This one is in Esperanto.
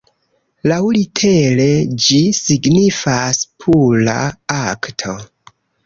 Laŭlitere ĝi signifas "pura akto.